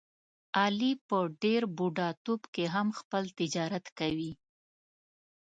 علي په ډېر بوډاتوب کې هم خپل تجارت کوي.